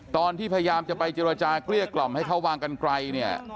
ตอนที่พยายามจะไปเจรจาเกลี้ยกล่อมให้เขาวางกันไกลเนี่ย